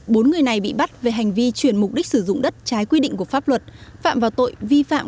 bốn người này bị bắt về hành vi chuyển mục đích sử dụng đất trái quy định của pháp luật phạm vào tội vi phạm